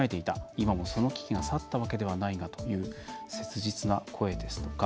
今もその危機が去ったわけではないが」という切実な声ですとか。